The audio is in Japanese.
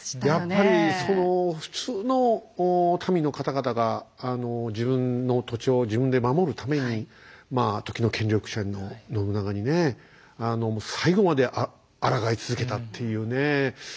やっぱりその普通の民の方々が自分の土地を自分で守るためにまあ時の権力者の信長にねえ最後まであらがい続けたっていうね。